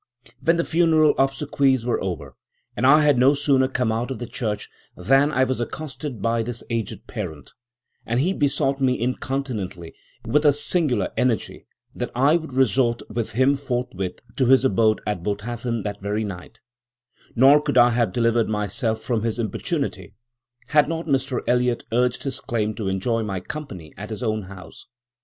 When the funeral obsequies were over, I had no sooner come out of the church than I was accosted by this aged parent, and he besought me incontinently, with a singular energy, that I would resort with him forthwith to his abode at Botathen that very night; nor could I have delivered myself from his importunity, had not Mr Eliot urged his claim to enjoy my company at his own house.